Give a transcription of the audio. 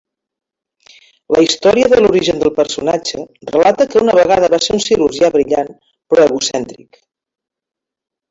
La història de l'origen del personatge relata que una vegada va ser un cirurgià brillant però egocèntric.